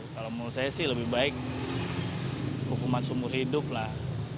kalau menurut saya sih lebih baik hukuman seumur hidup lah